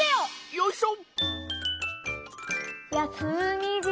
よいしょ。